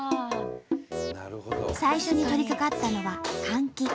最初に取りかかったのは換気。